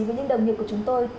với những đồng nghiệp của chúng tôi